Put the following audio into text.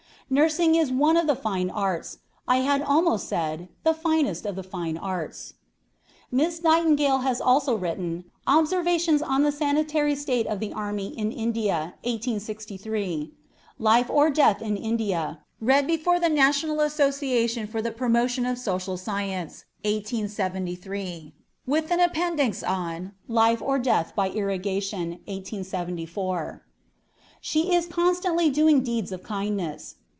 Nursing is one of the fine arts; I had almost said, the finest of the fine arts." Miss Nightingale has also written Observations on the Sanitary State of the Army in India, 1863; Life or Death in India, read before the National Association for the Promotion of Social Science, 1873, with an appendix on Life or Death by Irrigation, 1874. She is constantly doing deeds of kindness.